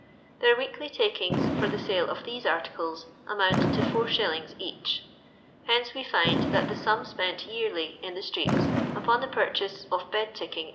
Thairweeklj tanngt for the lale of these artidet •mount to it, each« Hence we find that the sum spent yearW in the ftreets upon the puxchase of bed tick ing, &C.